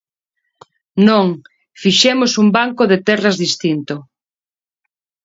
Non, fixemos un banco de terras distinto.